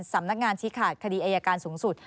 สำนักงานชี้ขาดคดีอายการสูงสุด